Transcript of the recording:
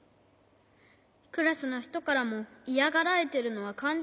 クラスのひとからもイヤがられてるのはかんじてるんだ。